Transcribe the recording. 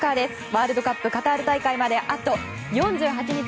ワールドカップカタール大会まであと４８日。